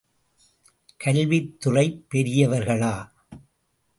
கல்வித் துறைப் பெரியவர்களா?